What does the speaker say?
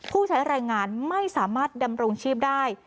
ผู้ใช้แรงงานไม่สามารถดำรงชีพได้